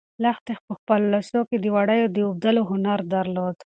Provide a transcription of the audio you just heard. لښتې په خپلو لاسو کې د وړیو د اوبدلو هنر درلود.